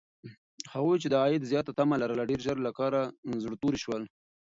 هغوی چې د عاید زیاته تمه لرله، ډېر ژر له کاره زړه توري شول.